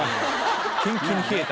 キンキンに冷えた。